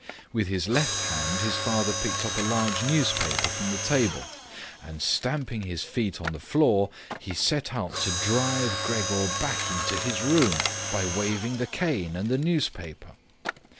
With his left hand, his father picked up a large newspaper from the table and, stamping his feet on the floor, he set out to drive Gregor back into his room by waving the cane and the newspaper.